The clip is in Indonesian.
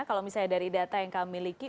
kalau misalnya dari data yang kami miliki